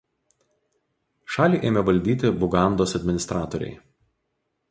Šalį ėmė valdyti Bugandos administratoriai.